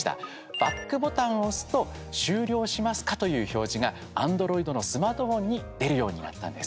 バックボタンを押すと「終了しますか？」という表示がアンドロイドのスマートフォンに出るようになったんです。